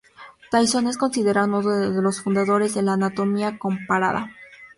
Tyson es considerado uno de los fundadores de la anatomía comparada.